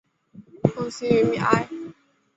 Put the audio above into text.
蒙希于米埃。